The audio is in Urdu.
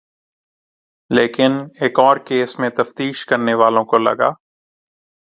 لیکن ایک اور کیس میں تفتیش کرنے والوں کو لگا